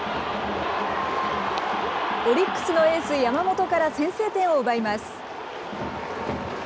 オリックスのエース、山本から先制点を奪います。